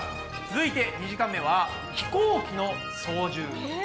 続いて２時間目は「飛行機の操縦」。